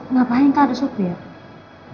ngapain enggak ada sopir